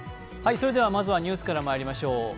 まずはニュースからまいりましょう。